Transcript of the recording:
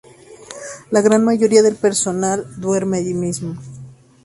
La gran mayoría del personal duerme allí mismo.